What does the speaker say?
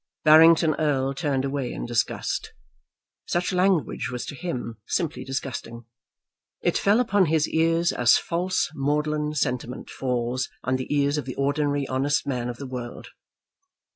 Barrington Erle turned away in disgust. Such language was to him simply disgusting. It fell upon his ears as false maudlin sentiment falls on the ears of the ordinary honest man of the world.